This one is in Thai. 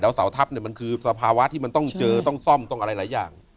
แล้วเสาทัพเนี่ยมันคือสภาวะที่มันต้องเจอต้องซ่อมต้องอะไรหลายอย่าง